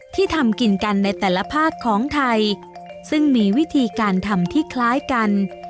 ทำกินกันในแต่ละภาคของไทยซึ่งมีวิธีการทำที่คล้ายกัน